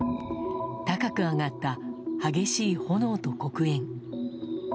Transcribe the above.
高く上がった激しい炎と黒煙。